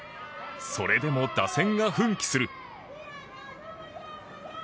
それでも、打線が奮起する。